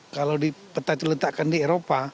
kalau di peta itu letakkan di eropa